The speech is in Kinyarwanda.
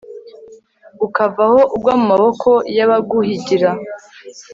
ukavaho ugwa mu maboko y'abaguhigira